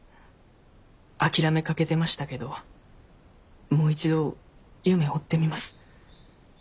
諦めかけてましたけどもう一度夢追ってみます。